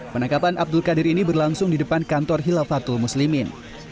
penangkapan abdul qadir ini berlangsung di depan kantor hilafatul muslimin